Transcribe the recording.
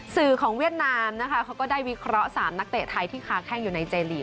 สื่อของเวียดนามนะคะเขาก็ได้วิเคราะห์๓นักเตะไทยที่ค้าแข้งอยู่ในเจลีก